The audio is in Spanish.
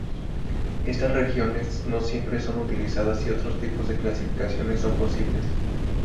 Estas regiones no siempre son utilizadas, y otros tipos de clasificaciones son posibles.